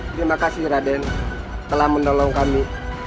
terima kasih raden telah menolong kami